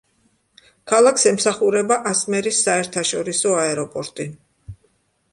ქალაქს ემსახურება ასმერის საერთაშორისო აეროპორტი.